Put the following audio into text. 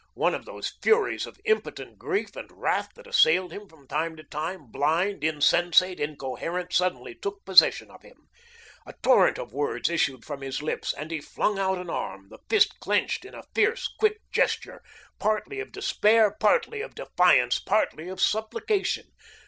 One of those furies of impotent grief and wrath that assailed him from time to time, blind, insensate, incoherent, suddenly took possession of him. A torrent of words issued from his lips, and he flung out an arm, the fist clenched, in a fierce, quick gesture, partly of despair, partly of defiance, partly of supplication.